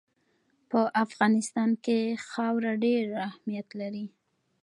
په افغانستان کې خاوره ډېر اهمیت لري.